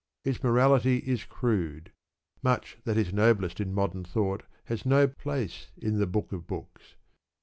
Its morality is crude. Much that is noblest in modern thought has no place in the "Book of Books."